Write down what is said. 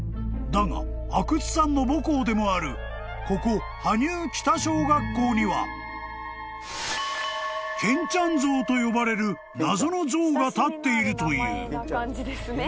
［だが阿久津さんの母校でもあるここ羽生北小学校には健ちゃん像と呼ばれる謎の像が立っているという］